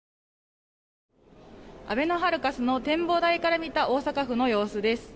あべのハルカスの展望台から見た大阪府の様子です。